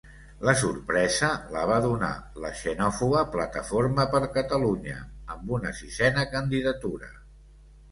La sorpresa la va donar la xenòfoba Plataforma per Catalunya amb una sisena candidatura.